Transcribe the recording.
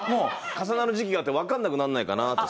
重なる時期があってわからなくならないかなって。